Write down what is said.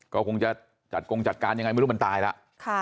ก็คงจะจัดกงจัดการยังไงไม่รู้มันตายแล้ว